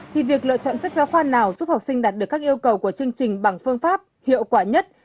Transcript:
thì việc lựa chọn sách giáo khoa nào giúp học sinh đạt được các yêu cầu của chương trình bằng phương pháp hiệu quả nhất